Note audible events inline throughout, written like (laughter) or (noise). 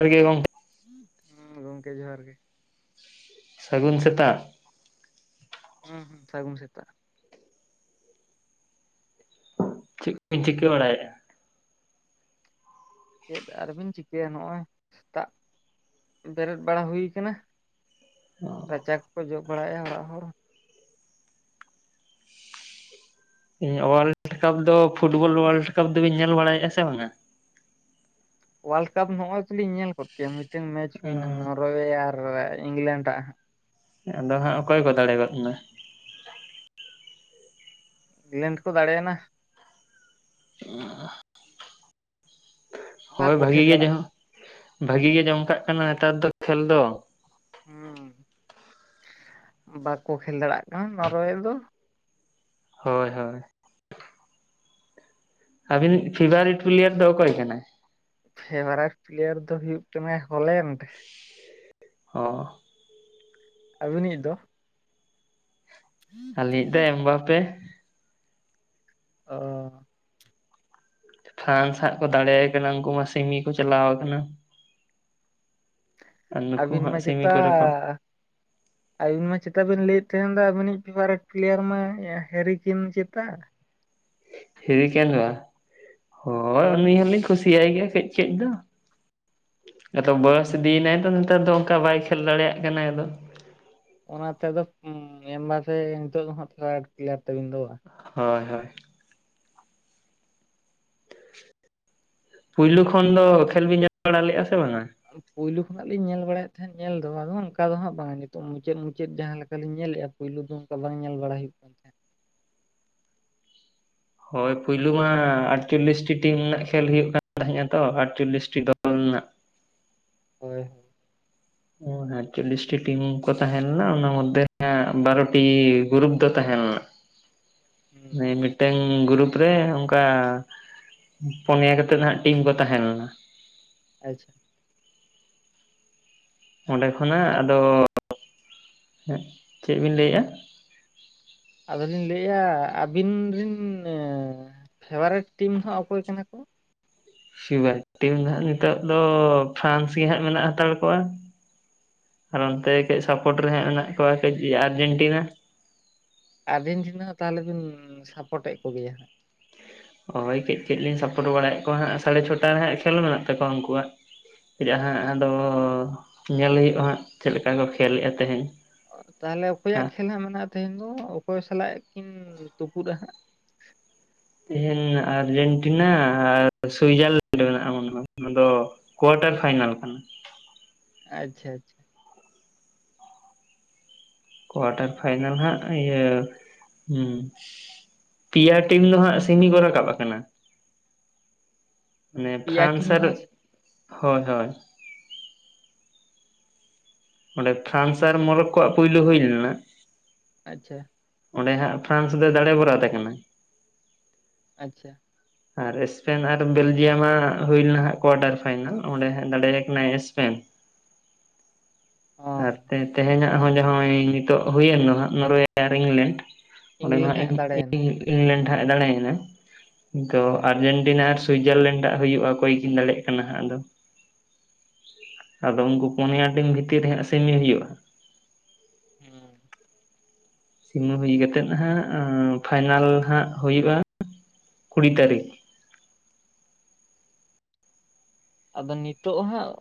ᱟᱨᱜᱮ ᱜᱚᱝ ᱦᱩᱸ ᱜᱚᱢᱠᱮ ᱡᱚᱦᱟᱨ ᱜᱮ᱾ ᱥᱟᱹᱜᱩᱱ ᱥᱮᱛᱟᱜ᱾ ᱦᱩᱸ ᱦᱩᱸ ᱥᱟᱹᱜᱩᱱ ᱥᱮᱛᱟᱜ᱾ ᱪᱤᱜ (inaudible) ᱪᱤᱠᱟ. ᱵᱟᱲᱟᱭᱮᱜ-ᱟ? ᱪᱮᱫ ᱟᱨᱵᱤᱱ ᱪᱤᱠᱟᱹᱭᱟ ᱱᱚᱜ-ᱚᱭ ᱥᱮᱛᱟᱜ ᱵᱮᱨᱮᱫ ᱵᱟᱲᱟ ᱦᱩᱭ ᱟᱠᱟᱱᱟ᱾ ᱨᱟᱪᱟ ᱠᱚᱠᱚ ᱡᱚᱜ ᱵᱟᱲᱟᱭᱮᱜ-ᱟ ᱚᱲᱟᱜ ᱦᱚᱲ᱾ ᱤᱧ ᱚᱣᱟᱞᱰ ᱠᱟᱯ ᱫᱚ ᱯᱷᱩᱴᱵᱚᱞ ᱚᱣᱟᱞᱰ ᱠᱟᱯ ᱫᱚᱵᱤᱱ ᱧᱮᱞ ᱵᱟᱲᱟᱭᱮᱜ-ᱟ ᱥᱮ ᱵᱟᱝ-ᱟ? ᱳᱣᱟᱞᱰ ᱠᱟᱯ ᱱᱚᱜ-ᱚᱭ ᱪᱚᱞᱤᱧ ᱧᱮᱞ ᱠᱚᱜ ᱠᱮᱭᱟ ᱢᱤᱫᱴᱟᱝ ᱢᱮᱪ ᱦᱩᱭ ᱮᱱᱟ ᱚ ᱱᱚᱨᱳᱚᱭᱮ ᱟᱨ ᱤᱝᱞᱮᱱᱰ ᱟᱜ ᱦᱟᱸᱜ᱾ ᱟᱫᱚ ᱦᱟᱸᱜ ᱚᱠᱚᱭ ᱠᱚ ᱫᱟᱲᱮ ᱜᱚᱫ ᱱᱟ? ᱤᱝᱞᱮᱱᱰ ᱠᱚ ᱫᱟᱲᱮᱭᱟᱱᱟ᱾ ᱟ ᱦᱳᱭ ᱵᱟᱠᱚ ᱵᱷᱟᱜᱤ ᱠᱷᱮᱞ ᱜᱮᱭᱟ ᱡᱟ ᱫᱟᱲᱮᱭᱟᱜ ᱦᱳ᱾ ᱵᱷᱟᱜᱤ ᱜᱮ ᱡᱚᱢᱠᱟᱜ ᱠᱟᱱᱟ ᱱᱮᱛᱟᱨ ᱫᱚ ᱠᱷᱮᱞ ᱫᱚ᱾ ᱦᱩᱸ ᱵᱟᱠᱚ ᱠᱷᱮᱞ ᱫᱟᱲᱮ-ᱟᱜ ᱠᱟᱱᱟ ᱱᱚᱨᱚᱭᱮᱞ ᱫᱚ᱾ ᱦᱳᱭ ᱦᱳᱭ᱾ ᱟᱵᱤᱱᱤᱜ ᱯᱷᱤᱵᱟᱨᱤᱴ ᱯᱤᱞᱭᱟᱨ ᱫᱚ ᱚᱠᱚᱭ ᱠᱟᱱᱟ? ᱯᱷᱮᱵᱟᱨᱮᱴ ᱯᱞᱤᱭᱟᱨ ᱫᱚ ᱦᱩᱭᱩᱜ ᱠᱟᱱᱟᱭ ᱦᱚᱞᱮᱱᱰ᱾ ᱚ᱾ ᱟᱹᱵᱤᱱᱤᱡ ᱫᱚ? ᱟᱞᱤᱭᱤᱡ ᱫᱚ ᱮᱢ ᱵᱟᱯᱮ᱾ ᱚ᱾ ᱯᱷᱨᱟᱱᱥ ᱦᱟᱸᱜ ᱠᱚ ᱫᱟᱲᱮᱭ ᱠᱟᱱᱟ ᱩᱱᱠᱩ ᱢᱟ ᱥᱤᱢᱤ ᱠᱚ ᱪᱟᱞᱟᱣ ᱟᱠᱟᱱᱟ᱾ ᱟᱨ ᱱᱩᱠᱩ ᱟᱹᱵᱤᱱ ᱦᱟᱸᱜ ᱢᱟ ᱥᱮᱢᱤ ᱪᱮᱛᱟ ᱠᱚᱨᱮ ᱠᱚ ᱟᱹᱵᱤᱱ ᱢᱟ ᱪᱮᱛᱟ ᱵᱤᱱ ᱞᱟᱹᱭᱮᱫ ᱛᱟᱦᱮᱱ ᱫᱚ ᱟᱹᱵᱤᱱᱤᱡ ᱯᱷᱤᱵᱟᱨᱮᱴ ᱯᱞᱮᱭᱟᱨ ᱢᱟ ᱦᱮᱨᱤᱠᱤᱱ ᱪᱮᱛᱟ? ᱦᱮᱨᱤᱠᱮᱱ (unintelligible) ᱦᱳᱭ ᱩᱱᱤ ᱦᱚᱞᱤᱧ ᱠᱩᱥᱤᱭᱟᱭ ᱜᱮᱭᱟ ᱠᱟᱹᱡ ᱠᱟᱹᱡ ᱫᱚ᱾ ᱟᱫᱚ ᱵᱚᱭᱚᱥ ᱤᱫᱤᱭᱮᱱᱟᱭ ᱛᱚ ᱱᱮᱛᱟᱨ ᱫᱚ ᱚᱱᱠᱟ ᱵᱟᱭ ᱠᱷᱮᱞ ᱫᱟᱲᱮᱭᱟᱜ ᱠᱟᱱᱟᱭ ᱟᱫᱚ᱾ ᱚᱱᱟ ᱛᱮ ᱟᱫᱚ (unintelligible) ᱱᱤᱛᱚᱜ ᱫᱚ ᱦᱟᱸᱜ ᱯᱷᱮᱵᱟᱨᱮᱴ ᱯᱤᱞᱤᱭᱟᱨ ᱛᱟᱵᱤᱱ ᱫᱚ ᱵᱟᱝ? ᱦᱳᱭ ᱦᱳᱭ᱾ ᱯᱩᱭᱞᱩ ᱠᱷᱚᱱ ᱫᱚ ᱠᱷᱮᱞ ᱵᱤᱱ ᱧᱮᱞ ᱵᱟᱲᱟ ᱞᱮᱫᱼᱟ ᱥᱮ ᱵᱟᱝ-ᱟ? ᱯᱳᱭᱞᱩ ᱠᱷᱚᱱᱟᱜ ᱞᱤᱧ ᱧᱮᱞ ᱵᱟᱲᱟᱭᱮᱫ ᱛᱟᱦᱮᱸᱫ ᱧᱮᱞ ᱫᱚ ᱟᱫᱚ ᱚᱱᱠᱟ ᱫᱚ ᱦᱟᱸᱜ ᱵᱟᱝ ᱱᱤᱛᱚᱜ ᱢᱩᱪᱟᱹᱫ ᱢᱩᱪᱟᱹᱫ ᱡᱟᱦᱟᱸ ᱞᱮᱠᱟᱞᱤᱧ ᱧᱮᱞᱮᱫᱼᱟ ᱯᱩᱭᱞᱩ ᱫᱚ ᱚᱱᱠᱟ ᱵᱟᱝ ᱧᱮᱞ ᱵᱟᱲᱟ ᱦᱩᱭᱩᱜ ᱠᱟᱱ ᱛᱟᱦᱮᱸᱫ᱾ ᱦᱳᱭ ᱯᱩᱭᱞᱩ ᱢᱟ ᱟᱴᱪᱚᱞᱞᱤᱥᱴᱤ ᱴᱤᱢ ᱨᱮᱱᱟᱜ ᱠᱷᱮᱞ ᱦᱩᱭᱩᱜ ᱠᱟᱱ ᱛᱟᱦᱮᱸᱜ-ᱟ ᱛᱚ ᱟᱴᱪᱚᱞᱞᱤᱥᱴᱤ ᱫᱚᱞ ᱨᱮᱱᱟᱜ᱾ ᱦᱳᱭ ᱾ ᱟᱴᱪᱚᱞᱞᱤᱥ ᱴᱤ ᱴᱤᱢ ᱠᱚ ᱛᱟᱦᱮᱸ ᱞᱮᱱᱟ ᱚᱱᱟ ᱢᱚᱫᱽᱫᱷᱮ ᱨᱮ ᱦᱟᱸᱜ ᱵᱟᱨᱚᱴᱤ ᱜᱨᱩᱯ ᱫᱚ ᱛᱟᱦᱮᱸ ᱞᱮᱱᱟ ᱾ ᱦᱩᱸ ᱦᱮᱸ ᱢᱤᱫ ᱴᱮᱝ ᱜᱩᱨᱩᱯ ᱨᱮ ᱚᱱᱠᱟ ᱯᱩᱱᱭᱟ ᱠᱟᱛᱮᱫ ᱱᱟᱦᱟᱜ ᱴᱤᱢ ᱠᱚ ᱛᱟᱦᱮᱸ ᱞᱮᱱᱟ ᱾ ᱟᱪᱪᱷᱟ ᱾ ᱚᱸᱰᱮ ᱠᱷᱚᱱᱟᱜ ᱟᱫᱚ ᱪᱮᱫ ᱵᱤᱱ ᱞᱟᱹᱭᱮᱫᱼᱟ? ᱟᱫᱚᱞᱤᱧ ᱞᱟᱹᱭᱮᱜᱼᱟ ᱟᱹᱵᱤᱱ ᱨᱤᱱ ᱯᱷᱮᱵᱟᱨᱮᱴ ᱴᱤᱢ ᱫᱚ ᱦᱟᱜ ᱚᱠᱚᱭ ᱠᱟᱱᱟ ᱠᱚ? ᱯᱷᱮᱵᱟᱨᱤᱴ ᱴᱤᱢ ᱫᱚ ᱱᱟᱦᱟᱜ ᱱᱤᱛᱚᱜ ᱫᱚ ᱯᱷᱨᱟᱱᱥ ᱜᱮ ᱦᱟᱸᱜ ᱢᱮᱱᱟᱜ ᱦᱟᱛᱟᱲ ᱠᱚᱣᱟ ᱾ ᱟᱨ ᱚᱱᱛᱮ ᱠᱟᱹᱡ ᱥᱟᱯᱳᱚᱴ ᱨᱮ ᱦᱟᱸᱜ ᱢᱮᱱᱟᱜ ᱠᱚᱣᱟ ᱠᱟᱹᱡ ᱟᱨᱡᱮᱱᱴᱤᱱᱟ ᱾ ᱟᱨᱜᱮᱱᱴᱤᱱᱟ ᱛᱟᱦᱚᱞᱮ ᱵᱤᱱ ᱥᱟᱯᱚᱴᱮᱫ ᱠᱚᱜᱮᱭᱟ ᱦᱟᱸᱜ ᱾ ᱦᱳᱭ ᱠᱟᱹᱡ ᱠᱟᱹᱡᱞᱤᱧ ᱥᱟᱯᱚᱨᱴ ᱵᱟᱲᱟᱭᱮᱫ ᱠᱚᱣᱟ ᱦᱟᱸᱜ ᱥᱟᱲᱮ ᱪᱷᱚᱴᱟ ᱨᱮ ᱦᱟᱸᱜ ᱠᱷᱮᱞ ᱢᱮᱱᱟᱜ ᱛᱟᱠᱚᱣᱟ ᱩᱱᱠᱩᱣᱟᱜ ᱾ ᱪᱮᱫ ᱦᱟᱸᱜ ᱟᱫᱚ ᱧᱮᱞ ᱦᱩᱭᱩᱜᱼᱟ ᱦᱟᱸᱜ ᱪᱮᱫ ᱞᱮᱠᱟ ᱠᱚ ᱠᱷᱮᱞᱮᱫᱼᱟ ᱛᱮᱦᱮᱧ ᱾ ᱛᱟᱦᱚᱞᱮ ᱚᱠᱚᱭᱟᱜ ᱠᱷᱮᱞ ᱦᱟᱸᱜ ᱢᱮᱱᱟᱜᱼᱟ ᱛᱮᱦᱮᱱ ᱫᱚ, ᱚᱠᱚᱭ ᱥᱟᱞᱟᱜ ᱠᱤᱱ ᱛᱩᱯᱩᱫᱼᱟ ᱦᱟᱸᱜ? ᱛᱮᱦᱮᱱ ᱟᱨᱡᱮᱱᱴᱤᱱᱟ ᱟᱨ ᱥᱩᱭᱡᱟᱨᱞᱮᱱᱰ ᱢᱮᱱᱟᱜᱼᱟ ᱢᱚᱱᱮ ᱦᱚᱭ ᱟᱫᱚ ᱠᱳᱣᱟᱴᱟᱨ ᱯᱷᱟᱭᱱᱟᱞ ᱠᱟᱱᱟ ᱾ ᱟᱪᱪᱷᱟ ᱟᱪᱪᱷᱟ ᱾ ᱠᱳᱣᱟᱴᱟᱨ ᱯᱷᱟᱭᱱᱟᱞ ᱦᱟᱸᱜ ᱤᱭᱟᱹ ᱯᱮᱭᱟ ᱴᱤᱢ ᱫᱚ ᱦᱟᱸᱜ ᱥᱤᱢᱤ ᱠᱚ ᱨᱟᱠᱟᱵ ᱟᱠᱟᱱᱟ ᱾ ᱢᱟᱱᱮ ᱯᱮᱭᱟ ᱯᱷᱨᱟᱱᱥ ᱴᱤᱢ ᱫᱚ ᱟᱨ ᱦᱟᱸᱜ ᱦᱳᱭ ᱦᱳᱭ ᱾ ᱚᱸᱰᱮ ᱯᱷᱨᱟᱱᱥ ᱟᱨ ᱢᱚᱨᱚᱠᱠᱳᱣᱟᱜ ᱯᱩᱭᱞᱳ ᱦᱩᱭ ᱞᱮᱱᱟ ᱾ ᱟᱪᱪᱷᱟ ᱾ ᱚᱸᱰᱮ ᱦᱟᱸᱜ ᱯᱷᱨᱟᱱᱥ ᱫᱚ ᱫᱟᱲᱮ ᱵᱚᱨᱟ ᱛᱟᱦᱮᱸ ᱠᱟᱱᱟ ᱾ ᱟᱪᱪᱷᱟ ᱾ ᱟᱨ ᱮᱥᱯᱮᱱ ᱟᱨ ᱵᱮᱞᱡᱤᱭᱟᱢᱟᱜ ᱦᱩᱭ ᱞᱮᱱᱟ ᱦᱟᱜ ᱠᱳᱣᱟᱴᱟᱨ ᱯᱷᱟᱭᱱᱟᱞ ᱚᱸᱰᱮ ᱦᱟᱜ ᱫᱟᱲᱮᱭᱟ ᱠᱟᱱᱟᱭ ᱥᱯᱮᱱ ᱾ (inaudible) ᱟᱨ ᱚ ᱛᱮ-ᱛᱮᱦᱮᱧᱟᱜ ᱦᱚᱸ ᱡᱟᱦᱟᱸᱭ ᱱᱤᱛᱚᱜ ᱦᱩᱭᱮᱱ ᱫᱚ ᱦᱟᱸᱜ ᱱᱚᱨᱳᱚᱭᱮ ᱟᱨ ᱤᱝᱞᱮᱱᱰ ᱾ ᱚᱸᱰᱮ ᱫᱚ ᱢᱟ ᱤᱝᱞᱮᱱᱰ ᱦᱟᱸᱜ ᱫᱟᱲᱮᱭᱮᱱᱟ ᱤᱝ-ᱤᱝᱞᱮᱱᱰ ᱦᱟᱜ ᱮ ᱫᱟᱲᱮᱭᱮᱱᱟ ᱾ ᱟᱫᱚ ᱦᱳᱭ ᱟᱨᱡᱮᱱᱴᱤᱱᱟ ᱟᱨ ᱥᱩᱭᱡᱟᱨᱞᱮᱱᱰ ᱟᱜ ᱦᱩᱭᱩᱜᱼᱟ ᱚᱠᱚᱭ ᱠᱤᱱ ᱫᱟᱲᱮᱭᱟᱜ ᱠᱟᱱᱟ ᱦᱟᱸᱜ ᱟᱫᱚ! ᱟᱫᱚ ᱩᱱᱠᱩ ᱯᱚᱱᱭᱟ ᱴᱤᱢ ᱵᱷᱤᱛᱤᱨ ᱨᱮ ᱦᱟᱸᱜ ᱥᱮᱢᱤ ᱦᱩᱭᱩᱜᱼᱟ ᱾ ᱦᱩᱸ ᱾ ᱥᱤᱢᱟᱹ ᱦᱩᱭ ᱠᱟᱛᱮᱫ ᱦᱟᱜ ᱟᱸ ᱯᱷᱟᱭᱱᱟᱞ ᱦᱟᱸᱜ ᱦᱩᱭᱩᱜᱼᱟ ᱠᱩᱲᱤ ᱛᱟᱹᱨᱤᱠᱷ ᱾ ᱟᱫᱚ ᱱᱤᱛᱚᱜ ᱦᱟᱸᱜ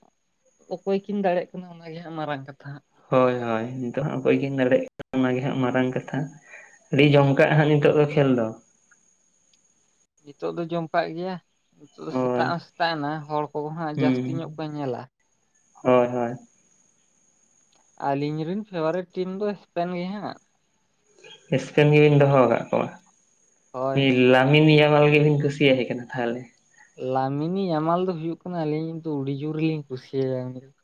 ᱚᱠᱚᱭ ᱠᱤᱱ ᱫᱟᱲᱭᱟᱜ ᱠᱟᱱᱟ ᱚᱱᱟᱜᱮ ᱦᱟᱸᱜ ᱢᱟᱨᱟᱝ ᱠᱟᱛᱷᱟ ᱦᱟᱸᱜ ᱾ ᱦᱳᱭ ᱦᱳᱭ ᱱᱤᱛᱚᱜ ᱦᱟᱜ ᱚᱠᱚᱭ ᱠᱤᱧ ᱫᱟᱲᱮᱭᱟᱜ ᱠᱟᱱᱟ ᱚᱱᱟᱜᱮ ᱦᱟᱸᱜ ᱢᱟᱨᱟᱝ ᱠᱟᱛᱷᱟ ᱾ ᱟᱹᱰᱤ ᱡᱚᱢ ᱠᱟᱜᱼᱟ ᱦᱟᱸᱜ ᱱᱤᱛᱚᱜ ᱫᱚ ᱠᱷᱮᱞ ᱫᱚ ᱾ ᱱᱤᱛᱚᱜ ᱫᱚ ᱡᱚᱢ ᱠᱟᱜ ᱜᱮᱭᱟ ᱾ ᱱᱤᱛᱚᱜ ᱫᱚ ᱦᱳᱭ ᱥᱮᱛᱟᱜ ᱦᱚᱸ ᱥᱮᱛᱟᱜ ᱮᱱᱟ ᱦᱚᱲ ᱠᱚᱠᱚ ᱦᱟᱸᱜ ᱡᱟᱹᱥᱛᱤ ᱦᱩᱸ ᱧᱚᱜ ᱠᱚ ᱧᱮᱞᱟ ᱾ ᱦᱳᱭ ᱦᱳᱭ ᱾ ᱟᱞᱤᱧ ᱨᱤᱱ ᱯᱷᱮᱵᱟᱨᱤᱮᱴ ᱴᱤᱢ ᱫᱚ ᱥᱯᱮᱱ ᱜᱮ ᱦᱟᱸᱜ ᱾ ᱥᱯᱮᱱ ᱜᱮᱵᱤᱱ ᱫᱚᱦᱚ ᱟᱠᱟᱫ ᱠᱚᱣᱟ! ᱦᱳᱭ ᱦᱳᱭ (unintelligible) ᱟᱵᱤᱱ ᱱᱤᱭᱟᱹ ᱢᱟᱞ ᱜᱮᱵᱤᱱ ᱠᱩᱥᱤᱭᱟᱭ ᱠᱟᱱᱟ ᱛᱟᱦᱟᱞᱮ? ᱞᱟᱢᱤᱱᱤ ᱭᱟᱢᱟᱞ ᱫᱚ ᱦᱩᱭᱩᱜ ᱠᱟᱱᱟ ᱟᱹᱞᱤᱧᱤᱡ ᱫᱚ ᱟᱹᱰᱤ ᱡᱳᱨᱞᱤᱧ ᱠᱩᱥᱤᱭᱟᱭᱟ ᱩᱱᱤ ᱫᱚ ᱾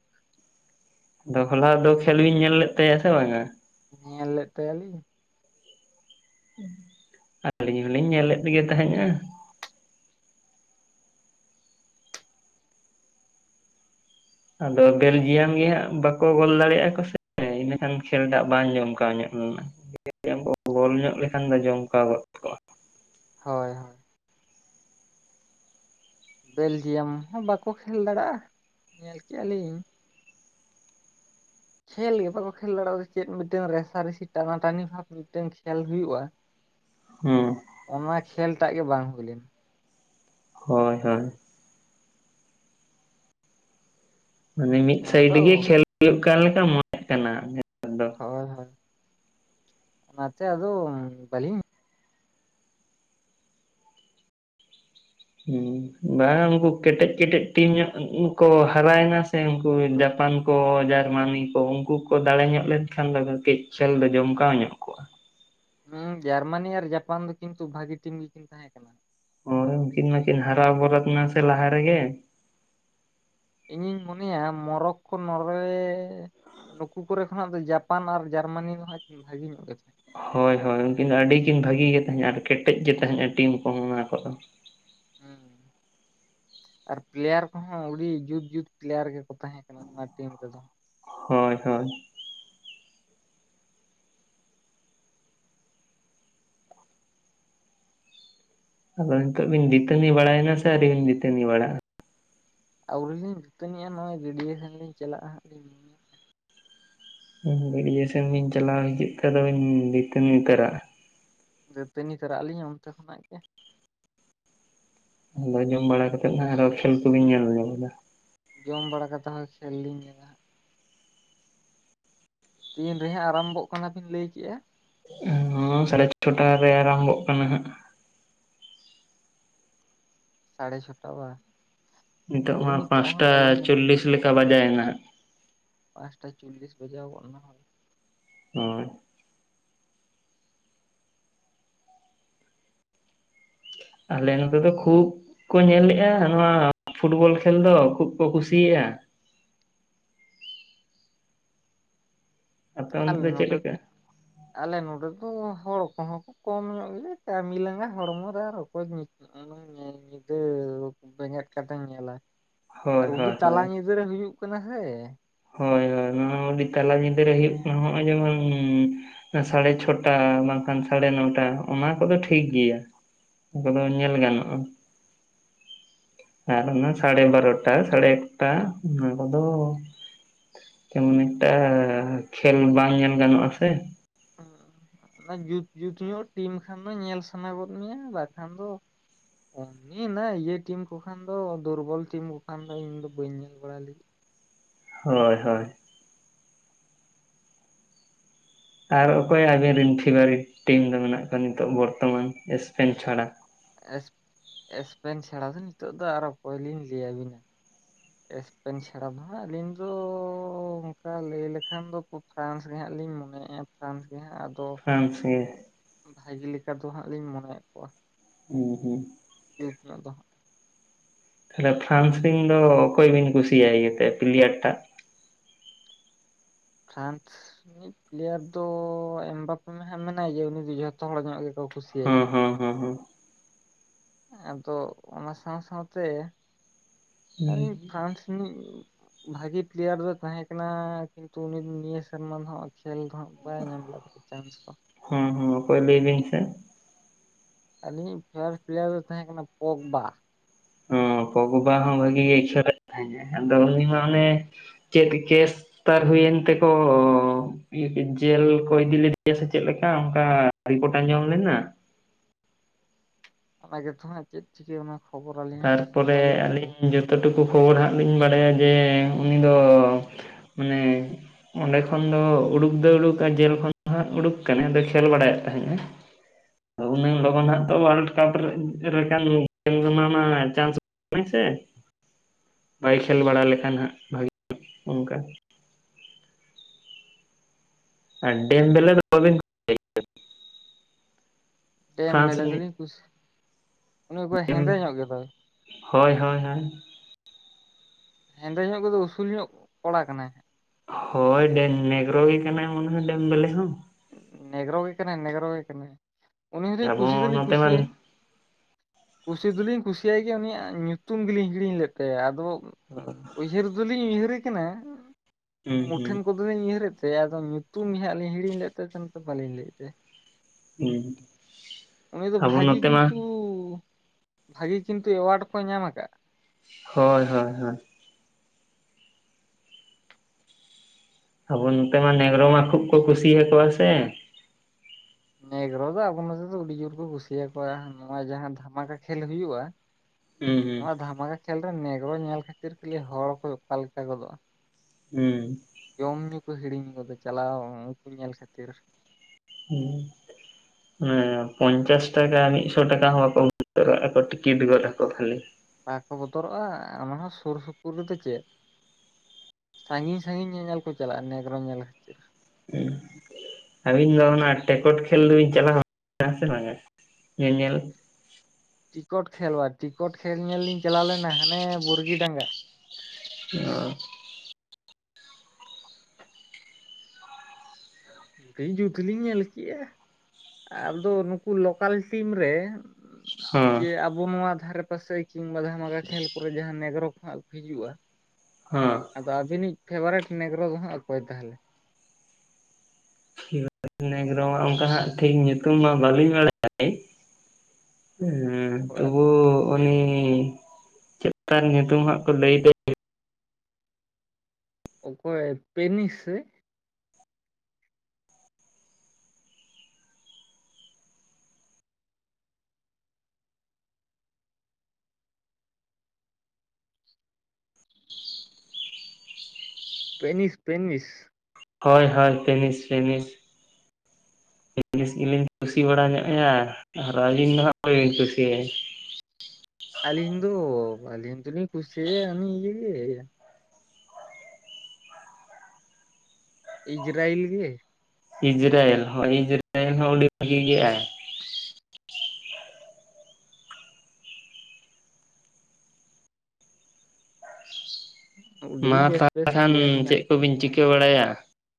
ᱫᱚ ᱦᱚᱞᱟ ᱫᱚ ᱠᱷᱮᱞ ᱵᱤᱱ ᱧᱮᱞ ᱞᱮᱫ ᱛᱟᱭᱟ ᱥᱮ ᱵᱟᱝᱼᱟ? ᱧᱮᱞ ᱞᱮᱫ ᱛᱟᱭᱟᱞᱤᱧ ᱾ ᱟᱹᱞᱤᱧ ᱦᱚᱸᱞᱤᱧ ᱧᱮᱞᱮᱫ ᱜᱮ ᱛᱟᱦᱮᱸᱜᱼᱟ ᱾ ᱟᱫᱚ ᱵᱮᱞᱡᱤᱭᱟᱢ ᱜᱮ ᱦᱟᱸᱜ ᱵᱟᱠᱚ ᱜᱚᱞ ᱫᱟᱲᱮᱭᱟᱜᱼᱟ ᱠᱚ ᱥᱮ (inaudible) ᱮᱸ ᱤᱸᱱᱟᱹᱠᱷᱟᱱ ᱠᱷᱮᱞ ᱴᱟᱜ ᱵᱟᱝ ᱡᱚᱢ ᱠᱟᱣ ᱧᱚᱜ ᱞᱮᱱᱟ। (inaudible) ᱠᱚ ᱜᱚᱞ ᱧᱚᱜ ᱞᱮᱠᱷᱟᱱ ᱫᱚ ᱡᱚᱢᱠᱟᱣ ᱜᱚᱫ ᱠᱚᱜᱼᱟ। ᱦᱳᱭ ᱦᱳ। ᱵᱮᱞᱡᱤᱭᱟᱢ ᱦᱚᱸ ᱵᱟᱠᱚ ᱠᱷᱮᱞ ᱫᱟᱲᱟᱜᱼᱟ। ᱧᱮᱞᱠᱮᱜᱼᱟ ᱞᱤᱧ ᱼᱼ ᱠᱷᱮᱞ ᱜᱮ ᱵᱟᱠᱚ ᱠᱷᱮᱞ ᱫᱟᱲᱚ। ᱪᱮᱫ ᱢᱤᱫᱴᱟᱝ ᱨᱮᱥᱟ ᱨᱮᱥᱤ ᱴᱟᱱᱟ ᱴᱟᱱᱤ ᱵᱷᱟᱵᱽ ᱢᱤᱫᱴᱟᱝ ᱠᱷᱮᱞ ᱦᱩᱭᱩᱜᱼᱟ। ᱦᱩᱸ। ᱚᱱᱟ ᱠᱷᱮᱞ ᱴᱟᱜ ᱜᱮ ᱵᱟᱝ ᱦᱩᱭ ᱞᱮᱱᱟ। ᱦᱳᱭ ᱦᱳᱭ। ᱢᱟᱱᱮ ᱢᱤᱫ ᱥᱟᱭᱤᱰ ᱦᱮᱸᱛᱚ ᱜᱮ ᱠᱷᱮᱞ ᱦᱩᱭᱩᱜ ᱠᱟᱱ ᱞᱮᱠᱟ ᱢᱚᱱᱮᱜ ᱠᱟᱱᱟ ᱱᱮᱛᱟᱨ ᱫᱚ। ᱦᱳᱭ ᱦᱳᱭ। ᱚᱱᱟ ᱛᱮ ᱟᱫᱚ, ᱵᱟᱞᱤᱧ ᱼᱼ ᱦᱩᱸ, ᱵᱟᱝᱟ ᱩᱱᱠᱩ ᱠᱮᱴᱮᱡ ᱠᱮᱴᱮᱡ ᱴᱤᱢ ᱧᱚᱜ ᱠᱚ ᱦᱟᱨᱟᱭᱱᱟ ᱥᱮ? (unintelligible) ᱩᱰᱩᱠ ᱡᱟᱯᱟᱱ ᱼᱼ ᱠᱚ, ᱡᱟᱨᱢᱟᱱᱤ ᱠᱚ, ᱩᱱᱠᱩ ᱠᱚ ᱫᱟᱲᱮ ᱧᱚᱜ ᱞᱮᱱᱠᱷᱟᱱ ᱫᱚ ᱠᱟᱹᱡᱽ ᱪᱷᱮᱞ ᱫᱚ ᱡᱚᱢᱠᱟᱣ ᱧᱚᱜ ᱠᱚᱜᱼᱟ। ᱦᱩᱸ, ᱡᱟᱨᱢᱟᱱᱤ ᱟᱨ ᱡᱟᱯᱟᱱ ᱫᱚ ᱠᱤᱱᱛᱩ ᱵᱷᱟᱹᱜᱤ ᱴᱤᱢ ᱜᱮᱠᱤᱱ ᱛᱟᱦᱮᱸ ᱠᱟᱱᱟ। ᱦᱳᱭ ᱩᱱᱠᱩᱱ ᱢᱟᱠᱤᱱ ᱦᱟᱨᱟᱣ ᱵᱚᱨᱚᱛ ᱱᱟ ᱥᱮ ᱞᱟᱦᱟ ᱨᱮ ᱜᱮ? ᱤᱧᱤᱧ ᱢᱚᱱᱮᱭᱟ, ᱢᱚᱨᱚᱠᱷᱚ ᱱᱳᱨᱳᱭᱮ ᱼᱼ ᱱᱩᱠᱩ ᱠᱚᱨᱮ ᱠᱷᱚᱱᱟᱜ ᱫᱚ ᱡᱟᱯᱟᱱ ᱟᱨ ᱡᱟᱨᱢᱟᱱᱤ ᱫᱚ ᱦᱟᱸᱜ ᱠᱤᱱ ᱵᱷᱟᱹᱜᱤ ᱧᱚᱜ ᱜᱮ ᱛᱟᱦᱮᱸᱫ। ᱦᱳᱭ ᱦᱳᱭ। ᱩᱱᱠᱤᱱ ᱫᱚ ᱟᱹᱰᱤ ᱠᱤᱱ ᱵᱷᱟᱹᱜᱤ ᱜᱮ ᱛᱟᱦᱮᱸᱫ। ᱟᱨ ᱠᱮᱴᱮᱡ ᱜᱮ ᱛᱟᱦᱮᱸᱜᱼᱟ ᱴᱤᱢ ᱠᱚᱦᱚᱸ ᱚᱱᱟ ᱠᱚᱫᱚ। (inaudible) ᱟᱨ ᱯᱞᱮᱭᱟᱨ ᱠᱚᱦᱚᱸ, ᱩᱲᱤ ᱡᱩᱛ ᱡᱩᱛ ᱯᱞᱮᱭᱟᱨ ᱜᱮᱠᱚ ᱛᱟᱦᱮᱸ ᱠᱟᱱᱟ ᱚᱱᱟ ᱴᱤᱢ ᱨᱮᱫᱚ। ᱦᱳᱭ ᱦᱳᱭ। ᱟᱫᱚ ᱱᱤᱛᱚᱜ ᱵᱤᱱ ᱫᱤᱛᱟᱹᱱᱤ ᱵᱟᱲᱟᱭᱱᱟ ᱥᱮ ᱟᱹᱣᱨᱤ ᱵᱤᱱ ᱫᱤᱛᱟᱹᱱᱤ ᱵᱟᱲᱟᱜᱼᱟ? ᱟᱹᱣᱨᱤ ᱞᱤᱧ ᱫᱟᱹᱛᱟᱹᱱᱤᱜᱼᱟ। ᱱᱚᱜᱼᱚᱭ ᱜᱟᱹᱰᱤᱭᱟᱹ ᱥᱮᱱᱞᱤᱧ ᱪᱟᱞᱟᱜᱼᱟ ᱦᱟᱸᱜ ᱞᱤᱧ ᱢᱚᱱᱮᱜ। (unintelligible) ᱜᱟᱹᱰᱤᱭᱟᱹ ᱥᱮᱱ ᱵᱤᱱ ᱪᱟᱞᱟᱣ ᱦᱤᱡᱩᱜ ᱛᱮ ᱫᱚ ᱰᱤᱱ ᱫᱤᱛᱟᱹᱱᱤ ᱩᱛᱟᱹᱨᱚᱜᱼᱟ? ᱫᱟᱹᱛᱟᱹᱱᱤ ᱛᱚᱨᱟᱜ ᱟᱹᱞᱤᱧ ᱚᱱᱛᱮ ᱠᱷᱚᱱᱟᱜ ᱜᱮ। ᱟᱫᱚ ᱡᱚᱢ ᱵᱟᱲᱟ ᱠᱟᱛᱮᱜ ᱱᱟᱦᱟᱜ ᱟᱨᱚ ᱠᱷᱮᱞ ᱠᱚ ᱵᱤᱱ ᱧᱮᱞ ᱧᱚᱠᱫᱟ। ᱡᱚᱢ ᱵᱟᱲᱟ ᱠᱟᱛᱮ ᱦᱚᱸ ᱠᱷᱮᱞ ᱞᱤᱧ ᱧᱮᱞᱟ ᱦᱟᱸᱜ। ᱛᱤᱱ ᱨᱮᱦᱟᱸᱜ ᱟᱨᱟᱢᱵᱷᱚᱜ ᱠᱟᱱᱟ ᱵᱤᱱ ᱞᱟᱹᱭ ᱠᱮᱜᱼᱟ? (unintelligible) ᱥᱟᱲᱮ ᱪᱷᱚᱴᱟ ᱨᱮ ᱟᱨᱟᱢᱵᱷᱚᱜ ᱠᱟᱱᱟ ᱦᱟᱸᱜ। ᱥᱟᱲᱮ ᱪᱷᱚᱴᱟ ᱵᱟ? ᱱᱤᱛᱚᱜ ᱢᱟ ᱯᱟᱸᱪᱴᱟ ᱢᱮᱱᱟᱜᱼᱟ ᱪᱚᱞᱞᱤᱥ ᱞᱮᱠᱟ ᱵᱟᱡᱟᱭᱱᱟ ᱦᱟᱸᱜ। ᱯᱟᱸᱪᱴᱟ ᱪᱚᱞᱞᱤᱥ ᱵᱟᱡᱟᱣ ᱜᱚᱫ ᱱᱟᱦᱟᱜ। ᱦᱳᱭ। ᱟᱞᱮ ᱱᱚᱛᱮ ᱫᱚ ᱠᱷᱩᱵ ᱼᱼ ᱠᱚ ᱧᱮᱞᱮᱜᱼᱟ। ᱱᱚᱣᱟ ᱯᱷᱩᱴᱵᱚᱞ ᱠᱷᱮᱞ ᱫᱚ, ᱠᱷᱩᱵ ᱠᱚ ᱠᱩᱥᱤᱭᱟᱜᱼᱟ। ᱟᱯᱮ ᱚᱱᱛᱮ ᱟᱞᱮ ᱫᱚ ᱪᱮᱫ ᱱᱚᱰᱮᱛ, ᱞᱮᱠᱟ ᱟᱞᱮ ᱱᱚᱰᱮ ᱫᱚ ᱦᱚᱲ ᱠᱚᱦᱚᱸ ᱠᱚ ᱼᱼ ᱠᱚᱢ ᱧᱚᱜ ᱜᱮᱭᱟ। ᱠᱟᱹᱢᱤ ᱞᱟᱸᱜᱟ ᱦᱚᱲᱢᱚ ᱨᱮ ᱟᱨ ᱚᱠᱚᱭ। (unintelligible) (inaudible) ᱧᱤᱫᱟᱹ ᱵᱮᱸᱜᱮᱫ ᱠᱟᱛᱮᱢ ᱧᱮᱞᱟ। ᱦᱳᱭ ᱟᱨ ᱩᱰᱤ ᱦᱳᱭ ᱪᱟᱞᱟ ᱦᱳᱭ ᱧᱤᱫᱟᱹ ᱨᱮ ᱦᱩᱭᱩᱜ ᱠᱟᱱᱟ ᱥᱮ? ᱦᱳᱭ ᱦᱳᱭ, ᱱᱚᱣᱟ ᱟᱹᱰᱤ ᱛᱟᱞᱟ ᱧᱤᱫᱟᱹ ᱨᱮ ᱦᱩᱭᱩᱜ ᱠᱟᱱ ᱦᱚᱜᱼᱚᱭ ᱡᱮᱢᱚᱱ (inaudible) (unintelligible) ᱥᱟᱲᱮ ᱪᱷᱚᱴᱟ ᱵᱟᱝᱠᱷᱟᱱ ᱥᱟᱲᱮ ᱱᱚᱴᱟ ᱚᱱᱟ ᱠᱚᱫᱚ ᱴᱷᱤᱠ ᱜᱮᱭᱟ। ᱠᱚᱫᱚ ᱧᱮᱞ ᱜᱟᱱᱚᱜᱼᱟ। ᱟᱨ ᱚᱱᱟ ᱥᱟᱲᱮ ᱵᱟᱨᱚᱴᱚᱴᱟ ᱥᱟᱲᱮ ᱮᱠᱴᱟ ᱚᱱᱟ ᱫᱚ ᱠᱮᱢᱱᱤᱠ ᱴᱟ ᱠᱷᱮᱞ ᱵᱟᱝ ᱧᱮᱞ ᱜᱟᱱᱚᱜ ᱟᱥᱮ ᱾ ᱦᱩᱸ ᱚᱱᱟ ᱡᱩᱛ ᱡᱩᱛ ᱧᱚᱜ ᱴᱤᱢ ᱠᱷᱟᱱ ᱫᱚ ᱧᱮᱞ ᱥᱟᱱᱟ ᱜᱚᱫ ᱢᱮᱭᱟ ᱵᱟᱠᱷᱟᱱ ᱫᱚ ᱚᱢᱱᱤ ᱚᱱᱟ ᱤᱭᱟᱹ ᱴᱤᱢ ᱠᱚ ᱠᱷᱟᱱ ᱫᱚ ᱫᱩᱨᱵᱚᱞ ᱴᱤᱢ ᱠᱚᱠᱷᱟᱱ ᱫᱚ ᱤᱧ ᱫᱚ ᱵᱟᱹᱧ ᱧᱮᱞ ᱵᱟᱲᱟᱭ ᱞᱟᱜᱤᱼᱼ ᱦᱳᱭ ᱦᱳᱭ᱾ ᱟᱨ ᱚᱠᱚᱭ ᱟᱵᱮᱱ ᱨᱮᱱ ᱯᱷᱮᱵᱟᱨᱤᱴ ᱴᱤᱢ ᱫᱚ ᱢᱮᱱᱟᱜ ᱠᱚᱣᱟ ᱱᱤᱛᱚᱜ ᱵᱚᱨᱛᱚᱢᱟᱱ ᱮᱥᱯᱮᱱ ᱪᱷᱟᱲᱟᱼᱼ ᱮᱥ ᱮᱥᱯᱮᱱ ᱪᱷᱟᱲᱟ ᱫᱚ ᱱᱤᱛᱚᱜ ᱫᱚ ᱟᱨ ᱚᱠᱚᱭ ᱞᱤᱧ ᱞᱟᱹᱭ ᱟᱵᱤᱱᱟ? ᱮᱥᱯᱮᱱ ᱪᱷᱟᱲᱟ ᱫᱚᱜ ᱟᱹᱞᱤᱧ ᱫᱚ ᱚᱱᱠᱟ ᱞᱟᱹᱭ ᱞᱮᱠᱷᱟᱱ ᱫᱚᱼᱼ ᱯᱷᱨᱟᱱᱥ ᱜᱮ ᱦᱟᱸᱜ ᱞᱤᱧ ᱢᱚᱱᱮᱭᱮᱫ-ᱟ᱾ ᱯᱷᱟᱨᱟᱱᱥ ᱜᱮ ᱦᱟᱸᱜ ᱟᱫᱚ ᱯᱷᱨᱟᱱᱥ ᱜᱮ ᱵᱷᱟᱹᱜᱤ ᱞᱮᱠᱟ ᱫᱚ ᱦᱟᱸᱜ ᱞᱤᱧ ᱢᱚᱱᱮᱭᱮᱫ ᱠᱚᱣᱟ᱾ ᱦᱩᱸ ᱦᱩᱸ᱾ ᱡᱩᱛ ᱨᱮᱱᱟᱜ ᱫᱚ ᱦᱟᱜᱼᱼ ᱛᱟᱦᱚᱞᱮ ᱯᱷᱨᱟᱱᱥ ᱨᱮᱱ ᱫᱚ ᱚᱠᱚᱭ ᱵᱤᱱ ᱠᱩᱥᱤᱭᱼᱟᱭ ᱜᱮᱛᱮ ᱯᱤᱞᱤᱭᱟᱨ ᱴᱟᱜ? ᱯᱷᱨᱟᱱᱥ᱾ ᱤᱧᱤᱡ ᱯᱞᱮᱭᱟᱨ ᱫᱚ ᱮᱢ ᱵᱟᱯᱮ ᱢᱟ ᱦᱟᱜ ᱢᱮᱱᱟᱭ ᱜᱮᱭᱟ ᱩᱱᱤ ᱫᱚ ᱡᱷᱚᱛᱚ ᱦᱚᱲ ᱧᱚᱜ ᱜᱮᱠᱚ ᱦᱚᱸ ᱠᱩᱥᱤᱭᱟᱭᱟ᱾ ᱦᱚᱸ ᱦᱚᱸ ᱦᱚᱸ ᱟᱫᱚ ᱚᱱᱟ ᱥᱟᱶ ᱥᱟᱶᱛᱮ ᱟᱞᱤᱧ ᱯᱷᱨᱟᱱᱥ ᱨᱤᱱᱤᱡᱼᱼ ᱵᱷᱟᱜᱮ ᱯᱞᱮᱭᱟᱨ ᱫᱚ ᱛᱟᱦᱮᱸ ᱠᱟᱱᱟ ᱠᱤᱱᱛᱩ ᱩᱱᱤ ᱱᱤᱭᱟᱹ ᱥᱮᱨᱢᱟ ᱫᱚ ᱠᱷᱮᱹᱞ ᱫᱚᱦᱜ ᱵᱟᱭ ᱧᱟᱢ ᱞᱮᱫᱟᱼᱼ ᱪᱟᱱᱥ ᱫᱚᱼᱼ ᱦᱚᱸ ᱚᱠᱚᱭ ᱞᱟᱹᱭᱵᱤᱱ ᱥᱮ? ᱟᱹᱞᱤᱧ ᱤᱡ ᱯᱷᱮᱵᱟᱨᱮᱴ ᱯᱞᱮᱭᱟᱨ ᱫᱚᱭ ᱛᱟᱦᱮᱸ ᱠᱟᱱᱟ ᱯᱳᱠᱵᱟ᱾ ᱯᱚᱜᱽᱵᱟ ᱦᱚᱸ ᱵᱷᱟᱹᱜᱤ ᱜᱮᱭ ᱠᱷᱮᱞᱮᱫ ᱛᱟᱦᱮᱫ ᱟᱫᱚ ᱩᱱᱤ ᱢᱟ ᱚᱱᱮ ᱪᱮᱫ ᱠᱮᱥ? ᱛᱟᱨ ᱦᱩᱭᱮᱱ ᱛᱮᱠᱚᱼᱼ ᱤᱭᱟᱹ ᱡᱮᱞ ᱠᱚ ᱤᱫᱤ ᱞᱮᱫᱮᱭᱟ ᱥᱮ ᱪᱮᱫ ᱞᱮᱠᱟ ᱚᱱᱠᱟ ᱨᱤᱯᱳᱨᱴ ᱟᱱᱡᱚᱢ ᱞᱮᱱᱟ᱾ ᱚᱱᱟ ᱜᱮᱛᱚ ᱦᱟᱜ ᱪᱮᱫ ᱪᱤᱠᱟᱹᱭ ᱚᱱᱟ ᱠᱷᱚᱵᱚᱨ ᱟᱹᱞᱤᱧ ᱴᱷᱤᱠᱟ ᱛᱟᱨᱯᱚᱨᱮ ᱵᱟᱞᱤᱧ ᱵᱟᱰᱲᱟᱭᱲ᱾ ᱟᱹᱞᱤᱧ ᱡᱚᱛᱚ ᱴᱩᱠᱩ ᱠᱷᱚᱵᱚᱨ ᱦᱟᱸᱜ ᱞᱤᱧ ᱵᱟᱲᱟᱭᱟ ᱡᱮ ᱩᱱᱤ ᱫᱚ ᱢᱟᱱᱮᱼᱼ ᱚᱸᱰᱮ ᱠᱷᱚᱱ ᱫᱚ ᱩᱰᱩᱠ ᱫᱚᱭ ᱩᱰᱩᱠ ᱠᱟᱱ ᱡᱮᱞ ᱠᱷᱚᱱ ᱦᱟᱸᱜ ᱩᱰᱩᱠ ᱠᱟᱱᱟᱭ ᱟᱫᱚᱭ ᱠᱷᱮᱞ ᱵᱟᱲᱟᱭᱮᱫ ᱛᱟᱦᱮᱸᱫᱼᱟ᱾ ᱫᱚ ᱩᱱᱟᱹᱝ ᱞᱚᱜᱚᱱ ᱦᱟᱜ ᱛᱚ ᱚᱣᱟᱨᱞᱰ ᱠᱟᱯᱨᱮ ᱨᱮ ᱠᱟᱱ ᱠᱷᱮᱞ ᱠᱟᱱᱟ᱾ ᱚᱱᱟ ᱪᱟᱥ ᱦᱩᱭ ᱥᱮ ᱾ ᱵᱟᱭ ᱠᱷᱮᱞ ᱵᱟᱲᱟ ᱞᱮᱠᱷᱟᱱ ᱦᱟᱸᱜ ᱵᱷᱟᱜᱤ ᱚᱱᱠᱟᱼᱼ ᱟᱨ ᱰᱮᱱ ᱵᱮᱞᱮ ᱫᱚ ᱵᱟᱵᱤᱱ (unintelligible) (unintelligible) ᱯᱷᱨᱟᱱᱥ ᱵᱮᱞᱟ ᱨᱤᱱᱤᱡ ᱫᱚᱞᱤᱧ ᱠᱩᱥᱤᱼᱼ ᱩᱱᱤ ᱚᱠᱚᱭ ᱰᱮᱢ ᱦᱮᱸᱫᱮ ᱧᱚᱜ ᱜᱮᱫᱚᱭ᱾ ᱦᱳᱭ ᱦᱳᱭ ᱦᱳᱭ ᱦᱮᱸᱫᱮ ᱧᱚᱜ ᱜᱮᱫᱚ ᱩᱥᱩᱞ ᱧᱚᱜ ᱠᱚᱲᱟ ᱠᱟᱱᱟᱭ ᱦᱟᱜ᱾ ᱦᱳᱭ ᱰᱮᱱ ᱢᱮᱜᱽᱨᱳ ᱜᱮ ᱠᱟᱱᱟᱭ ᱢᱚᱱᱮ ᱦᱚᱭ ᱰᱮᱢ ᱵᱮᱞᱮ ᱦᱚᱸ᱾ ᱱᱮᱜᱽᱨᱳ ᱜᱮ ᱠᱟᱱᱟᱭ ᱱᱜᱽᱨᱳᱜᱮ ᱠᱟᱱᱟᱭ ᱩᱱᱤ (unintelligible) ᱟᱵᱚ ᱠᱩᱥᱤ ᱫᱚᱞᱤᱧ ᱱᱚᱛᱮ ᱢᱟ ᱠᱩᱥᱤᱭᱟᱭᱟ᱾ ᱠᱩᱥᱤ ᱫᱚᱞᱤᱧ ᱠᱩᱥᱤᱭᱟᱭ ᱜᱮᱭᱟ ᱩᱱᱤᱭᱟᱜ ᱧᱩᱛᱩᱢ ᱜᱮᱞᱤᱧ ᱦᱤᱲᱤᱧ ᱞᱮᱫ ᱛᱟᱭᱟ ᱟᱫᱚᱼᱼ ᱦᱩᱸᱼᱼ ᱩᱭᱦᱟᱹᱨ ᱫᱚᱞᱤᱧ ᱩᱭᱦᱟᱹᱨᱮ ᱠᱟᱱᱟ ᱦᱩᱸ ᱦᱩᱸ ᱢᱩᱴᱷᱟᱹᱱ ᱠᱚᱼᱼ ᱵᱟᱹᱧ ᱩᱭᱦᱟᱹᱨᱮᱫ ᱛᱟᱭ ᱟᱫᱚ ᱧᱩᱛᱩᱢ ᱜᱮ ᱦᱟᱜᱞᱤᱧ ᱦᱤᱲᱤᱧ ᱞᱮᱫ ᱛᱟᱭᱛᱮ ᱚᱱᱟᱤᱮ ᱵᱟᱹᱞᱤᱧ ᱞᱟᱹᱭᱮᱫ ᱛᱟᱭᱟᱼᱼ ᱦᱩᱸ ᱩᱱᱤ ᱫᱚ ᱟᱵᱚ ᱵᱷᱟᱜᱤ ᱱᱚᱛᱮ ᱢᱟ ᱠᱤᱱᱛᱩᱼᱼ ᱵᱷᱟᱜᱤ ᱠᱤᱱᱛᱩ ᱮᱣᱟᱨᱰ ᱠᱚᱭ ᱧᱟᱢ ᱠᱟᱜᱼᱟ᱾ ᱦᱳᱭ ᱦᱳᱭ ᱦᱳᱭ᱾ ᱟᱵᱚ ᱱᱚᱛᱮ ᱢᱟ ᱱᱜᱽᱨᱚ ᱢᱟ ᱠᱷᱩᱵ ᱠᱚ ᱠᱩᱥᱤᱭᱟᱠᱚᱣᱟ ᱥᱮᱼᱼ ᱱᱮᱜᱽᱨᱚ ᱫᱚ ᱟᱵᱚ ᱱᱚᱛᱮ ᱫᱚ ᱟᱹᱰᱤ ᱡᱳᱨ ᱠᱚ ᱠᱩᱥᱤᱭᱟᱠᱚᱣᱟ ᱱᱚᱣᱟ ᱡᱟᱦᱟᱸ ᱫᱷᱟᱢᱟᱠᱟ ᱠᱷᱮᱞ ᱦᱩᱭᱩᱜᱼᱟ᱾ ᱦᱩᱸ ᱱᱚᱣᱟ ᱫᱷᱟᱢᱟᱠᱟ ᱠᱷᱮᱞ ᱨᱮ ᱱᱮᱜᱽᱨᱚ ᱧᱮᱞ ᱠᱷᱟᱛᱤᱨ ᱠᱷᱟᱞᱤ ᱦᱚᱲ ᱠᱚ ᱚᱠᱟᱞᱮᱠᱟ ᱜᱚᱫᱚᱜᱼᱟ᱾ ᱦᱩᱸ᱾ ᱡᱚᱢᱧᱩ ᱠᱚ ᱦᱤᱲᱤᱧ ᱜᱚᱫᱚ ᱪᱟᱞᱟᱣ ᱩᱱᱠᱩ ᱧᱮᱞ ᱠᱷᱟᱹᱛᱤᱨᱼᱼ ᱦᱩᱸ᱾ ᱦᱩᱸ ᱯᱚᱧᱪᱟᱥ ᱴᱟᱠᱟ ᱢᱤᱫᱥᱚ ᱴᱟᱠᱟ ᱦᱚ (unintelligible) ᱴᱤᱠᱤᱴ ᱜᱚᱫ ᱟᱠᱚ ᱠᱷᱟᱹᱞᱤ ᱾ ᱠᱟᱠᱚ ᱵᱚᱛᱚᱨᱚᱜᱼᱟ ᱚᱱᱟ ᱦᱚᱸ ᱥᱩᱨ ᱥᱩᱯᱩᱨ ᱨᱮᱫᱚ ᱪᱮᱫ! ᱥᱟᱺᱜᱤᱧ ᱥᱟᱺᱜᱤᱧ ᱧᱮᱧᱮᱞ ᱠᱚ ᱪᱟᱞᱟᱜᱼᱟ ᱱᱮᱭᱜᱽᱨᱚᱢ ᱧᱮᱞ ᱠᱷᱟᱹᱛᱤᱨ᱾ ᱦᱮᱸ ᱾ ᱟᱹᱵᱤᱱ ᱫᱚ ᱚᱱᱟ ᱴᱮᱠᱚᱴ ᱠᱷᱮᱞ ᱫᱚᱵᱤᱱ ᱪᱟᱞᱟᱣ ᱠᱟᱱᱟ ᱥᱮ ᱵᱟᱝᱟ ᱧᱮᱧᱮᱞ? ᱴᱤᱠᱚᱴ ᱠᱷᱮᱞ ᱵᱟ ᱴᱤᱠᱚᱴ ᱠᱷᱮᱞ ᱧᱮᱞ ᱞᱤᱧ ᱪᱟᱞᱟᱣ ᱞᱮᱱᱟ ᱦᱟᱱᱮ ᱵᱩᱨᱜᱤ ᱰᱟᱸᱜᱟ᱾ ᱚᱻ ᱟᱹᱰᱤ ᱡᱩᱛᱞᱤᱧ ᱧᱮᱞ ᱠᱮᱜᱼᱟ, ᱟᱫᱚ ᱱᱩᱠᱩ ᱞᱳᱠᱟᱞ ᱴᱤᱢ ᱨᱮ ᱦᱚᱸ ᱡᱮ ᱟ ᱵᱚ ᱱᱚᱣᱟ ᱫᱷᱟᱨᱮ ᱯᱟᱥᱮ ᱠᱤᱢᱵᱟ ᱫᱷᱟᱢᱟᱠᱟ ᱠᱷᱮᱞ ᱠᱚᱨᱮ ᱡᱟᱦᱟᱸ ᱱᱮᱜᱨᱳ ᱠᱚ ᱦᱟᱸᱜ ᱠᱚ ᱦᱤᱡᱩᱜᱼᱟ, ᱦᱮᱸ ᱾ ᱟᱫᱚ ᱟᱹᱵᱤᱱᱤᱡ ᱯᱷᱮᱵᱟᱨᱮᱴ ᱱᱮᱜᱨᱚ ᱫᱚ ᱦᱟᱸᱜ ᱚᱠᱚᱭ ᱛᱟᱦᱚᱞᱮ? (inaudible) ᱱᱮᱜᱨᱳᱭᱟᱜ ᱚᱱᱠᱟ ᱦᱟᱸᱜ ᱴᱷᱤᱠ ᱧᱩᱛᱩᱢ ᱢᱟ ᱵᱟᱹᱞᱤᱧ ᱵᱟᱲᱟᱭ (inaudible) ᱦᱩᱸ ᱛᱚᱵᱩ ᱩᱱᱤ ᱪᱮᱫ ᱛᱟᱱ ᱧᱩᱛᱩᱢ ᱦᱟᱸᱜ ᱠᱚ ᱞᱟᱹᱭ ᱛᱟᱭ ᱚᱠᱚᱭ ᱯᱮᱱᱤᱥ ᱥᱮ? ᱯᱮᱱᱤᱥ ᱯᱮᱱᱤᱥ ᱾ ᱦᱳᱭ ᱦᱳᱭ ᱯᱮᱱᱤᱥ ᱯᱮᱱᱤᱥ᱾ ᱯᱮᱱᱤᱥ ᱜᱮᱞᱤᱧ ᱠᱩᱥᱤ ᱵᱟᱲᱟ ᱧᱚᱜ ᱟᱭᱟ, ᱟᱨ ᱟᱹᱵᱤᱱ ᱫᱚ ᱦᱟᱸᱜ ᱚᱠᱚᱭ ᱵᱤᱱ ᱠᱩᱥᱤᱭᱟᱭᱟ? ᱟᱹᱞᱤᱧ ᱫᱚ ᱟᱹᱞᱤᱧ ᱫᱚᱞᱤᱧ ᱠᱩᱥᱤᱭᱟᱭᱟ ᱩᱱᱤ ᱤᱭᱟᱹ ᱜᱮ ᱤᱡᱽᱨᱟᱭᱤᱞ ᱜᱮ᱾ ᱤᱡᱽᱨᱟᱭᱮᱞ ᱦᱚᱸ ᱤᱡᱽᱨᱟᱭᱮᱞ ᱦᱚᱸ ᱚᱸᱰᱤ ᱵᱷᱟᱹᱜᱤ ᱜᱮᱭᱟᱭ᱾ ᱟᱹᱰᱤ ᱢᱟ ᱵᱮᱥ ᱛᱟᱦᱚᱞᱮ ᱵᱮᱥ ᱠᱷᱟᱱ ᱯᱞᱮᱭᱟᱨ ᱢᱮᱱᱟᱜ ᱪᱮᱫ ᱠᱚᱵᱤᱱ ᱪᱤᱠᱟᱹ ᱵᱟᱲᱟᱭᱟ?